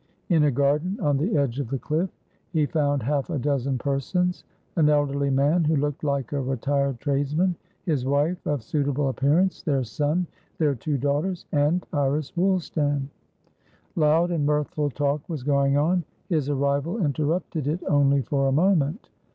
In a garden on the edge of the cliff, he found half a dozen persons; an elderly man who looked like a retired tradesman, his wife, of suitable appearance, their son, their two daughters, and Iris Woolstan. Loud and mirthful talk was going on; his arrival interrupted it only for a moment.